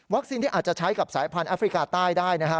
ที่อาจจะใช้กับสายพันธแอฟริกาใต้ได้นะฮะ